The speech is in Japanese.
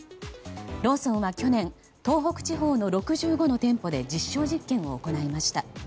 ローソンは去年東北地方の６５の店舗で実証実験を行いました。